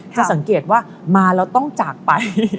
จะสังเกตว่ามาแล้วต้องจากไป